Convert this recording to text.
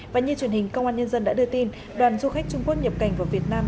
và như truyền hình công an nhân dân đã đưa tin đoàn du khách trung quốc nhập cảnh vào việt nam